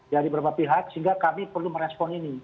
dari beberapa pihak sehingga kami perlu merespon ini